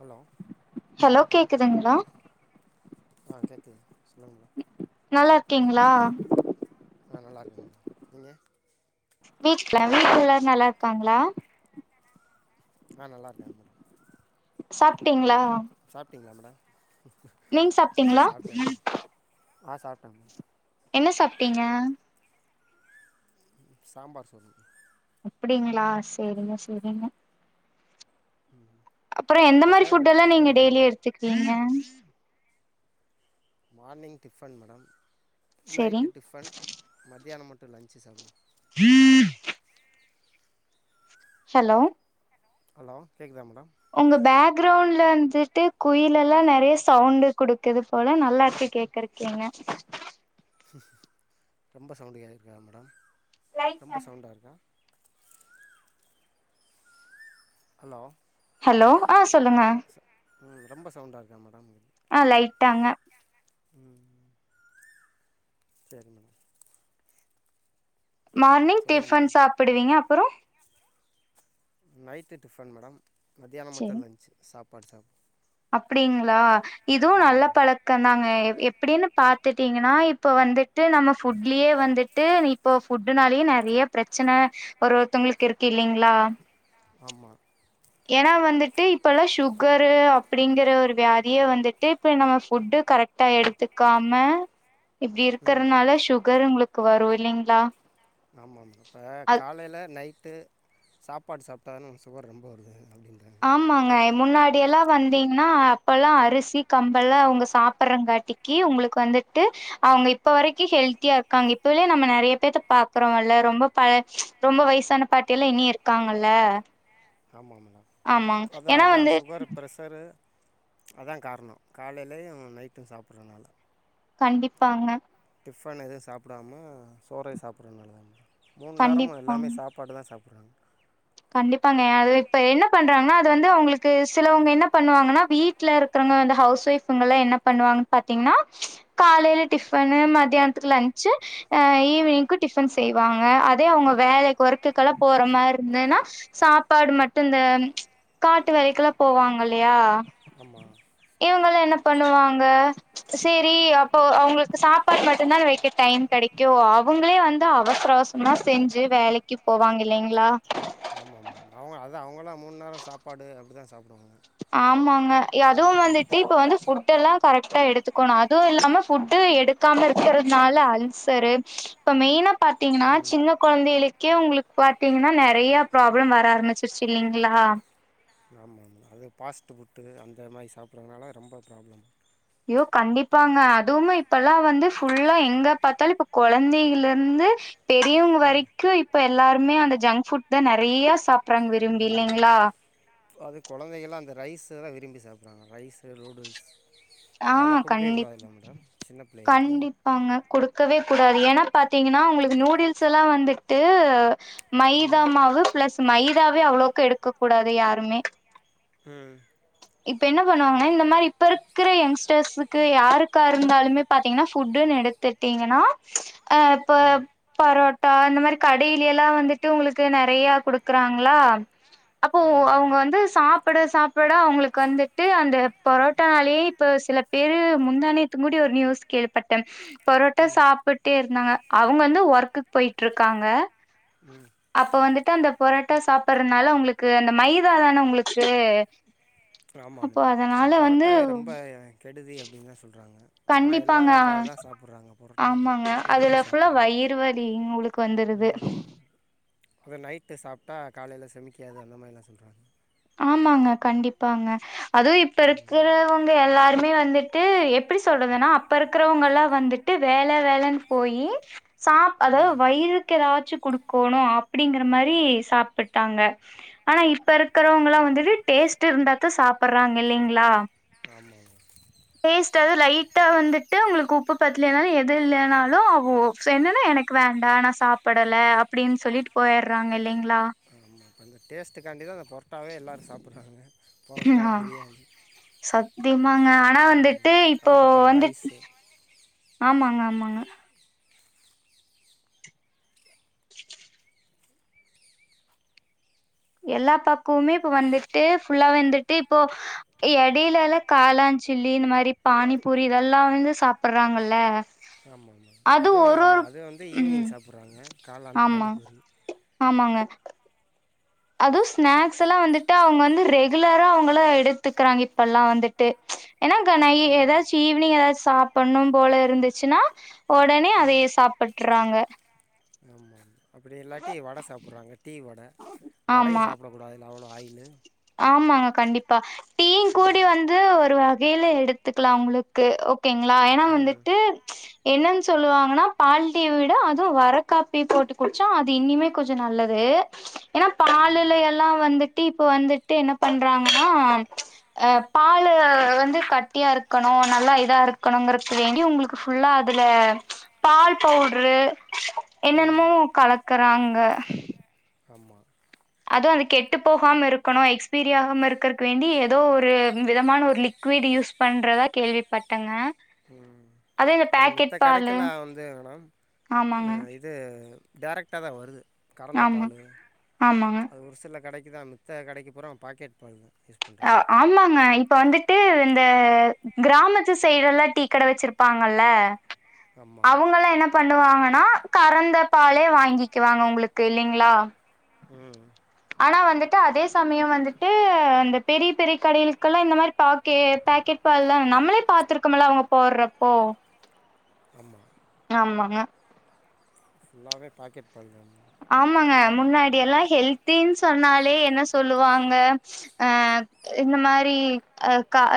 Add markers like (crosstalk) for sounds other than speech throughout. Hello hello கேக்குதுங்ளா அ கேக்குது சொல்லுங் மேடம் நல்லார்கீங்ளா அ நல்லார்கேங் மேடம் நீங்க வீட்ல வீட்ல எல்லாரூ நல்லார்காங்ளா நா நல்லார்கே மேடம் சாப்டீங்ளா சாப்டீங்ளா மேடம் தெ சாப்ட்டீங்களா சாப்டே மேடம் அ சாப்டே மேடம் என்ன சாப்டீங்க ம் சாம்பார் சோர்தா ம் அப்டிங்ளா செரிங்க செரிங்க ம் அப்றோ எந்த உங்கள் மாரி ஃபேவரட் ஃபுட்ல்லா ஃபுட் நீங்க என்ன டெய்லி மேடம் எடுத்துக்குவீங்க மார்னிங் டிஃபன் மேடம் சேரி நைட்டு டிஃபன் மத்தியான மட்டூ லன்ச் சாப் (unintelligible) ஹலோ ஹலோ கேக்குதா மேடம் உங்க பேக்ரவுண்ட்ல வந்துட்டு குயில் எல்லா நெறய சவுண்ட் குடுக்குது போல நல்லாருக் கேக் கர்கிங்க ம் ம் ரொம்ப சவுண்டு கேக்ருக்கா மேடம் ரொம்ப சவுண்டா இருக்கா ஹலோ ஹலோ அ சொல்லுங்க ம் ரொம்ப சவுண்டா இருக்கா மேடம் இங் அ லைட்டாங்க ம் சேரி மேடம் மார்னிங் சொல்லுங்கள் டிஃபன் மேடம் சாப்பிடுவீங்க அப்றோ நைட்டு டிஃபன் மேடம் மத்தியான மட்டூ லன்ச் சாப்பாடு சாப் அப்பிடிங்ளா இதுவூ ஆமாம் நல்ல மேடம் பழக் கந்தாங்க எ எப்புடின்னு பாத்துட்டீங்கனா இப்ப வந்துட்டு நம்ம ஃபுட்லியே வந்துட் டு இப்போ ஃபுட்டுனாலே நெறைய பிரச்சன ஒரு ஒருத்தவங்களுக்கு இருக்கு இல்லிங்ளா ஆமா எனா வந்துட்டு இப்பலா சுகரு அப்புடிங்கற ஒரு வியாதியே வந்துட்டு இப்ப நம்ம ஃபுட்டு கரெக் ட்டா எடுத்துகாம இப்டி ம் இருக்கறனால சுகர் உங்ளுக் வரூ இல்லிங்ளா ஆமா மேடம் இப்ப காலைல நைட்டு சாப்பாடு சாப்ட்டா னுங் சுகர் ரொம்ப வருது அப்படிங்றா ஆமாங்க முன்னாடியல்லா வந்தீங்னா அப்பல்லா அரிசி கம்பெல்லா அவுங்க சாப்பற்றங் காட்டி கி உங்ளுக் வந்துட்டு அவுங்க இப்ப வரைக்கு ஹெல்தியா இருக்காங்க இப்பலே நம்ம நெறைய பேத்த பாக்குறோ அல்ல ரொம்ப ப ரொம்ப வயசான பாட்டியல்ல இன்னி இருக்காங்கல்ல ஆமாங் மேடம் ஆமாங்க அதா ஏன்னா அதா வந்து சுகரு பிரஸ் ஸரு அதா காரணோ காலலியு நைட்டு சாப்புற்னால கண்டிப்பாங்க டிஃபன் எதுவு சாப்டாம சோறே சாப்பறநாள தா மே மூணுநேரமு எல்லாமே கண்டிப்பாங்க சாப் பாடு தா சாப்பறாங்க கண்டிப்பாங்க அது இப்ப என்ன பண்றாங்னா அது வந்து உங்ளுக்கு சிலவுங்க இன்ன பண்ணுவாங்கனா வீ ட்ல இருக்கறங்க வந்து ஹவுஸ் ஒயஃவ்ங்கலா என்ன பண்ணுவாங்கனு பாத்தீங்ன்னா காலைல டிஃபனு மதியானதுக்கு லன்ச்சு அ ஈவினிங்க்கு டிஃபன் செய்வாங்க அதே அவுங்க வேலைக் ஒரகுக்கல்லா போற மாருந்துனா சாப்பாடு மட்டுந்த காட்டு வேலைக்குலா போவாங்கல்லயா ஆமா இவுங்களா என்ன பண்ணுவாங்க சேரி அப்போ அவங்களுக்கு சாப்பாடு மட்டும்தான் வைக்க டைம் கிடைக்கும் அவங்களே வந்து அவசரம் அவசரமா சும்மா செஞ்சு வேலைக்கு போவாங்க இல்லலைங்களா ஆமாம் மேடம் அவங்க அதா அவங்களாம் மூணு நேரம் சாப்பாடு அப்டி தான் சாப்பிடுவாங்க ஆமாங்க அதுவும் வந்துட்டு இப்ப வந்து புட் எல்லாம் கரெக்டா எடுத்துக்கணும் அதுவும் இல்லாம புட்டு எடு க்காம இருக்கறதுனால அல்சரு இப்ப மெயினா பாரத்தீங்கன்னா ம் சின்ன குழந்தைகளுக்கே உங்களுக்கு பாரத்தீங்கன்னா நிறைய ப்ராப்ளம் வர ஆரம்பிச்சு சச்சு இல்லைங்களா ஆமா ஆமா நாங்க ஃபாஸ்ட்டு ஃபுட்டு அந்த மாரி சாப்பிட்றதுனால ரொம்ப ப்ராப்ளம் ஐயோ கண்டிப்பாங்க அதுவும் இப்ப எல்லாம் வந்து ஃபுல்லா எங்க பார்த்தாலும் இப்ப குழந்தைகள்ல இருந்து பெரியவங்க ம் வரைக்கும் இப்ப எல்லாருமே அந்த ஜங்க் ஃபுட் தான் நிறைய சாப்படுறாங்க விரும்பி ஆமாம் இல்லைங்களா மேடம் அது குழந்தைகள்லாம் அந்த ரைஸ்ல்லாம் விரும்பி சாப்பிட்றாங்க ரைஸு நூடல்ஸ் ஆ அதெல்லாம் குடுக்கவே கூடாதுல மேடம் சின்ன பிள்ளைகளுக்கு அவங்க குடுக்கவே கூடாது ஏன்னா பாத்தீங்கன்னா உங்களுக்கு நூடுல்ஸ் எல்லாம் வந்துட்டு ம் மைதாமாவ பிளஸ் மைதாவே அவ்ளோக்கு எடுக்க கூடாது யாருமே ம் இப்ப என்ன பண்ணுவாங்கன்னா இந்த மாரி இப்ப இருக்கிற எங்ஸ்டர்ஸ்க்கு யாருக்கா இருந்தாலுமே பாரத்தீங்கன்னா ஃபுட்டுன்னு எடுத்து கிட்டீங்கன்னா அ இப்போ ம் பரோட்டா இந்த மாரி கடையில எல்லாம் வந்துட்டு உங்களுக்கு நிறைய குடுக்குறாங்களா அப்போ ஆமாம் அவுங்க மேடம் வந்து சாப்பிட சாப்பிட அவங்களுக் கு வந்துட்டு அந்த பரோட்டனாலயே இப்போ சில பேர் முந்தானேத்தங்கூட ஒரு நியூஸ் கேள்விபட்டேன் பரோட்டா ம் சாப்பிட்டே இருந்தாங்க அவங்க வந்து ஒர்க்குக்கு போய்ட்டு இருக்காங்க ம் அப்ப வந்துட்டு அந்த பரோட்டா சாப்படுறதுனால உங்களுக்கு அந்த மைதாதானே உங்களுக்கு ஆமாம் அப்போ அதனால மேம் வந்து புரோட்டாவே ரொம்ப கெடுதி அப்டின்னு தான் சொல்றாங்க ஆனா கண்டிப்பாங்க எல்லாரும் இப்ப அதான் சாப்பிட்றாங்க பொரோட்டா தான் ஆமாங்க விரும்பி அதுல ஃபுல்ல சாப்பிட்றாங்க வயிறு வலி உங்களு வந்துருது அ நைட்டு சாப்ட்டா காலையில செமிக்காது அந்த மாரிலாம் சொல்றாங்க ஆமாங்க கண்டிப்பாங்க அதுவும் இப்ப இருக்கிறவங் ங்க எல்லாருமே வந்துட்டு எப்டி சொல்றதுன்னா அப்ப இருக்கிறவங்க எல்லாம் வந்துட்டு வேல வேலன்னு போயி சாப் அதாவது ம் வயிறுக்கு ஏதாச்சும் குடுக்கணும் அப்டிங்கிற மாரி சாப்பிட்டாங்க ஆனா இப்ப இருக்கிறவங்களாம் வந்துட்டு டேஸ்ட் இருந்தாத்த சாப்றாங்க இல்லைங்களா ஆஆமா (unintelligible) டேஸ்ட் லைட்டா வந்துட்டு உங்களுக்கு உப்பு பத்தலனாலும் எது இல்லைனாலும் என்னன்னா எனக்கு வேண்டாம் நா சாப்டலை அப்டின்னு சொல்லிட்டு போயிடுறாங்க இல்லைங்களா அந்த டேஸ்ட்டுக்காண்டி தா அந்த புரோட்டாவே எல்லோரும் சாப்றாங்க புரோட்டா ஆ பிரியாணி சத்தியமாங்க ஆனா வந்துட்டு ம் இப்போ அதுக்கப்புறம் வந்து ரைஸு ஆமாங்க ஆமாங்க (inaudible) எல்லா பக்கமுமே இப்ப வந்துட்டு ஃபுல்லா வந்துட்டு இப்போ இடையிலால காளான்சில்லி இந்த மாரி பானிபூரி இதெல்லாம் வந்து சாப்றாங்கல்ல ஆமாங்க அதுவும் ஆமாம் அது வந்து ஈவினிங் ம் சாப்ட்றாங்க காளான் ஆமா பானிபூரி ஆமாங்க அதுவும் ஸ்நாக்ஸ் எல்லாம் வந்துட்டு அவங்க வந்து ரெகுலரா அவங்கள எடுத்துக்கறாங்க இப்பல்லா வந்துட்டு ஏன்னா க நா ஏதாச்சும் ஈவினிங் ஏதாச்சும் சாப்டணும் போல இருந்துச்சுன்னா உடனே அதைய சாப்பட்றாங்க ஆமா அப்டி இல்லாட்டி வட சாப்றாங்க டீ வடை வடையு ஆமா. சாப்டக்கூடாதுல்ல அவ்ளோ ஆயிலு ஆமாங்க கண்டிப்பா டீ ங்கூடி வந்து ஒரு வகையில எடுத்துக்கலாம் உங்களு க்கு ஓகேங்களா ஏன்னா ம் வந்துட்டு என்னன்னு சொல்லுவாங்கன்னா பால் டீ யவிட அதுவும் வர காப்பி போட்டு குடிச்சா அது இனிமே கொஞ்சம் நல்லது ஏன்னா பாலில ஆமாம் எல்லாம் வந்துட்டு இப்ப வந்துட்டு என்ன பண்றாங்கன்னா அ பாலு வந்து கட்டியா இருக்கணும் நல்லா இதா இருக்கணுங்கறது வேண்டி உங்களுக்கு ஃபுல்லா அதுல பால் பவுட்ரு ம் என்னென்னமோ கலக்குறாங்க ஆமா அதும் அது கெட்டு போகாம இருக்கணும் எக்ஸ்பீரி ஆகாம இருக்கறக்கு வேண்டி ஏதோ ஒரு விதமான ஒரு லிக்விட் யூஸ் பண்றதா கேள்விப்பட்டேங்க ம் அத அது மித்த கடைக்கெல்லாம் வந்து மேடம் ஆமாங்க அ இது டைரெக்ட்டா தா வருது கறந்த ஆமா பால் ஆமாங்க அது ஒரு சில கடைக்கு தா த்த கடைக்கி பூரா பாக்கெட் பால் தா யூஸ் அ பண்ணுறாங்க ஆமாங்க இப்ப வந்து ட்டு இந்த கிராமத்து சைடு எல்லாம் டீ கட வச்சிருப்பாங்கல்ல ஆமாம் அவுங்க எல்லாம் என்ன பண்ணுவாங்கன்னா கறந்த பாலே வாங்கிக்குவாங்க உங்களுக்கு இல்லங்களா உம் ஆனா வந்துட்டு அதே சமயம் வந்துட்டு அந் பெரிய பெரிய கடைளுக்கெல்லாம் இந்த மாதிரி பாக்க பாக்கெட் பால் தா நம்மளே பாத்துருக்கோம்ல அவுங்க போடுறப்போ ஆமா ஆமாங்க ஃபுல்லாவே பக்கெட் பால் தா மேம் ஆமாங்க முன்னாடி எல்லாம் ஹெல்தின்னு சொன்னாலே என்ன சொல்லுவாங்க அ இந்த மாரி அ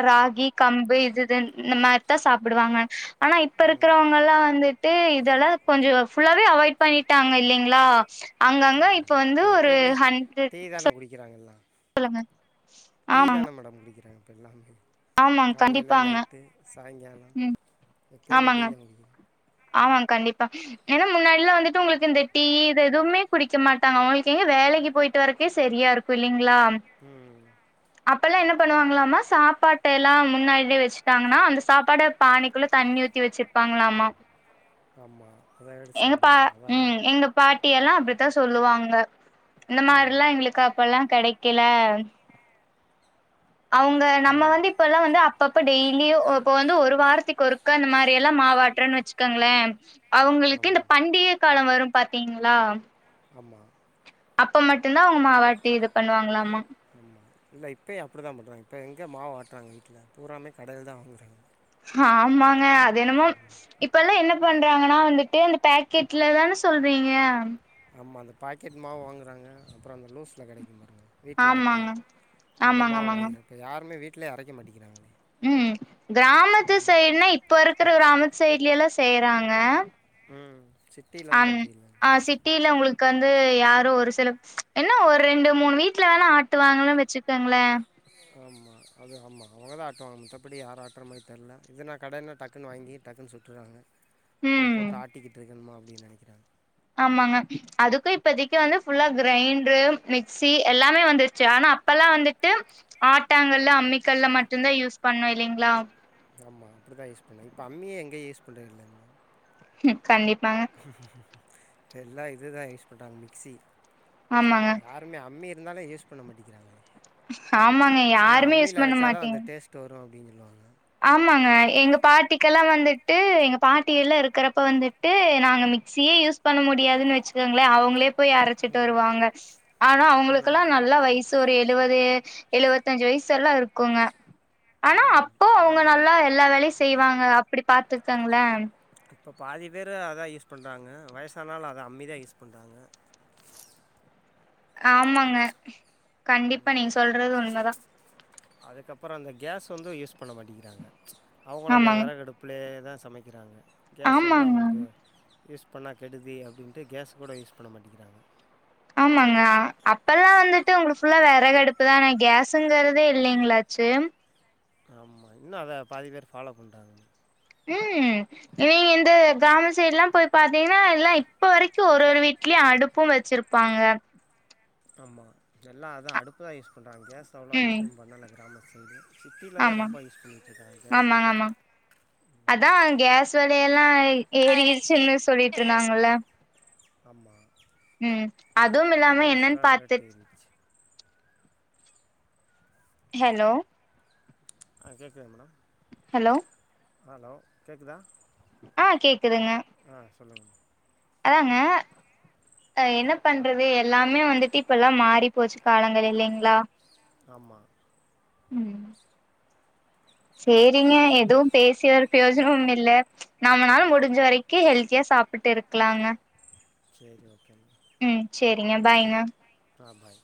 ராகி கம்பு இதுதான் இந்த மாரிதா சாப்டுவாங்க ஆனா இப்ப ம் இருக்கிறவங்க எல்லாம் வந்துட்டு இதெல்லா கொஞ்சோ ஃபுல்லாவே அவாய்ட் பண்ணிட்டாங்க இல்லைங்ளா அங்கங்க இப்ப ஆமாம் வந்து ஒரு ஹண்ட்ரட் விக்கிறங்கல்லா சொல்லுங்க டீ தான மேடம் குடிக்கிறாங் இப்ப எல்லாமே ஆமாங்க காலைல கண்டிப்பாங்க நைட்டு சாய்ங்காலம் ம் எப்பைமே டீ தா குடிக்கிற ஆமாங் கண்டிப்பா ஏனா முன்னாடிலா வந்துட்டு உங்களுக்கு இந்த டீ இது எதுவுமே குடிக்க மாட்டாங்க அவங்களுக்கு எங்க வேலைக்கு போயிட்டு வரக்கே சரியா இருக் கு இல்லிங்ளா ம் ம் அப்பெல்லா என்ன பண்ணுவாங்களாமா சாப்பாட்டெல்லா முன்னாடியே வச்சுட்டாங்கன்னா அந்த சாப்பாட பானைக்குள்ள தண்ணி ஊத் தி வச்சிர்ப்பாங்களாமா ஆமா எங்க பா ம் எங்க பாட்டி எல்லா அப்டித்தா சொல்லுவாங்க இந்த ம் மார்லா எங்களுக்கு அப்பெல்லா கெடைக்கல அவங்க நம்ம ம் வந்து இப்பெல்லா வந்து அப்பப்ப டெய்லியு இப்ப வந்து ஒரு வாரத்துக்கு ஒருக்க அந்த மாரி எல்லா மாவு ஆட்றனு வச் சுக்குங்களே அவங்களுக்கு இந்த ஆமாம் பண்டிகை காலொ வரும் பாத்தீங்களா ஆமாம் அப்ப மட்டுந்தா அவங்க மாவாட்டி இது பண்ணுவாங்களாமா இல்ல இப்பயு அப்டிதா பண்றாங்க இப்ப எங்க மாவு ஆட்றாங்க வீட்ல பூராமே கடைலதா வாங்குறாங்க ஹாமாங்க அது என்னமோ இப்பெல்லா என்ன பண்றாங்கன்னா வந்துட்டு அந்த பேக்கெட்லதானே சொல்றீங்க ஆமா அந்த பாக்கெட் மாவு வாங்குறாங்க அப்பறோ அந்த லூஸுல கெடைக்கும் பாருங்க வீட்ல ஆட்டி ஆமாங்க அந்த ஆமாங்க மாவு ஆமாங்க வாங்கிக்றாங் இப்போ யாருமே வீட்லே அரைக்க மாட்டேக்கிறாங்களே ம் கிராமத்து சைட்னா இப்ப இருக்கற கிராமத்து சைட்லேல்லா செய்யுறாங்க ம் ச அம் ஆ சிட் ட்டீல உங்களுக்கு வந்து யாரோ ஒரு சில என்ன ஒரு ரெண்டு மூணு வீட்டுல வேணா ஆட்டுவாங்களன்னு வச்சிக்கோங்களே ஆமா அது ஆமா அவங்கதா ஆட்டுவாங்க மித்தபடி யாரு ஆட்டுற மாரி தெர்ல இதுன்னா கடைனா டக்குன்னு வாங்கி டக்குன்னு சுட்டுர்றாங்க இதப் ம் போட்டு ஆட்டிக்கிட்டு இருக்கணுமா அப்டின்னு நெனக்கிறாங்க ஆமாங்க அதுக்கு இப்பதைக்கு வந்து ஃபுல்லா கிரைண்ட்ரு மிக்சி எல்லாமே வந்துருச்சு ஆனா அப்பல்லா வந்துட்டு ஆட்டாங்கல்லு அம்மிக்கல்ல மட்டுந்தா யூஸ் பண்ணோ இல்லீங்களா ஆமா அப்டிதா யூஸ் பண்ணோ இப்போ அம்மியே எங்கே யூஸ் பண்றதில்ல மேடம் ம் கண்டிப்பா இப்போ எல்லா இதுதா யூஸ் பண்றாங்க மிக்சி ஆமாங்க இல்ல அம்மி இருந்தாலு யூஸ் பண்ண மாட்டேக்கிறாங்களே ஆமாங்க ஆனா யாருமே யூஸ் அம்மியில பண்ண அரச்சாதா மாட்டீங்க அந்த டேஸ் ட்டு வரு அப்டின் சொல்வாங்க ஆமாங்க எங்க பாட்டிக்கெல்லா வந்துட்டு எங்க பாட்டி எல்லா இருக்கறப்போ வந்துட் ட்டு நாங்க மிக்சியே யூஸ் பண்ண முடியாதுன்னு வச்சுக்கோங்களே அவங்களே போய் அரச்சிட்டு ம் வருவாங்க ஆனா ம் அவங்களுக்குல்லா நல்ல வயசு த்தொரு எழுவது எழுவத்தஞ்சு வயசு வர்ல இருக்குங்க ம் ப்போ அதா அவங்க மேடம் நல்லா எல்லா வேலயு செய்வாங்க அப்டி பாத்துக்கங்களே இப்போ பாதி பேர் அதா யூஸ் பண்றாங்க வயசானாலு அதா அம்மிதா யூஸ் பண்றாங்க ஆமாங்க கண்டிப்பா நீங்க சொல்றது உண்மதா அதுக்கப்பறோ அந்த கேஸ் வந்து யூஸ் பண்ண மாட்டேக்கிறாங்க அவங்களு அந்த ஆமாங்க வெறகடுப் புலேதா சமைக்கிறாங்க கேஸ் வந்து ஆமாங்க அவங்களுக்கு யூஸ் பண்ணா கெடுதி அப்டின்ட்டு கேஸு கூட யூஸ் பண்ண மாட்டேக்கிறாங்க ஆமாங்க அப்பல்லாம் வந்துட்டு உங்களுக்கு ஃபுல்லா வெறகடுப்பு தானே கேஸுங்கிறதே இல்லேங்களாச்சே ஆமா இன்னு அதப் பாதி பேர் ஃபாலோ பண்றாங்க ம் நீ இந்த கிராம சைடுல்லாம் போய் பாத்தீங்கன்னா எல்லாம் இப்ப வரைக்கும் ஒரு ஒரு வீட்லய அடுப்பும் வெச்சிருப் பாங்க ஆமா எல்லா அதான் அடுப்பு தான் யூஸ் பண்றாங்க கேஸ் அவ்ளவா ம் யூஸும் பண்ணல கிராமத்து சைட்ல சிட்டில தான் ஆமா ரொம்ப யூஸ் பண்ணிட்டு இருக்காங்க கேஸ் அதான் கேஸ் வெலை எல்லாம் ஏறிகிடுச்சுன்னு சொல்லிட்டு இருந்தாங்கல்லே ஆமா அதுவும் ஆமா இல்லாம என்னன்னு கேஸுல்லா பாத்து ரேட்டு் ஏறிடிச்சு ஹலோ ஆ கேக்குதா மேடம் ஹலோ ஹலோ கேக்குதா ஆ கேக்குதுங்க ஆ சொல்லுங்க அதாங்க அ என்ன பண்றது எல்லாமே வந்து இப்ப எல்லாம் மாறிப் போச்சு காலங்கள் இல்லேங்ளா ஆமா ம் சேரிங்க எதுவும் பேசி ஒரு பிரயோஜனும் இல்ல நம்மளால முடிஞ்ச வரக்கும் ஹெல் த்தியா சாப்பிட்டே இருக்கலாங்க சேரி ஓகே மா ம் சேரிங்க பாய்ங்க ஆ பாய்